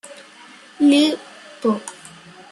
Li Po.